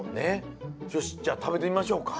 よしじゃあ食べてみましょうか。